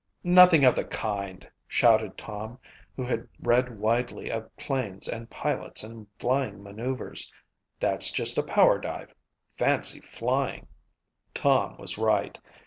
"Nothing of the kind," shouted Tom, who had read widely of planes and pilots and flying maneuvers. "That's just a power dive fancy flying." Tom was right.